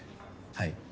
はい。